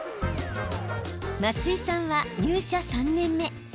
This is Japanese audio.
増井さんは入社３年目。